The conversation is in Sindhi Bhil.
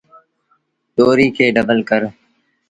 ڏوريٚ کي ڊبل ڪر۔